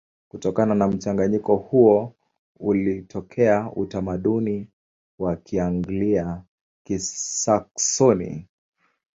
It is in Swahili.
Kutokana na mchanganyiko huo ulitokea utamaduni wa Kianglia-Kisaksoni.